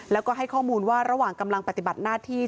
แล้วก็ให้ข้อมูลว่าระหว่างกำลังปฏิบัติหน้าที่